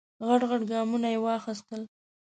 غټ غټ ګامونه یې واخیستل.